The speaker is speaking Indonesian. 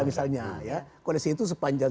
misalnya ya koalisi itu sepanjang